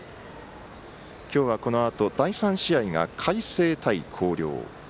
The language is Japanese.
今日は、このあと第３試合が海星対広陵。